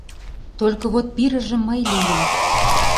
— Только вот пирыже мый лийым.